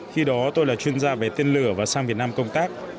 khi đó tôi là chuyên gia về tên lửa và sang việt nam công tác